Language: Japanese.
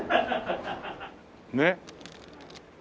ねっ。